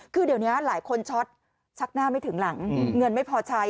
คือเดี๋ยวนี้หลายคนช็อตชักหน้าไม่ถึงหลังเงินไม่พอใช้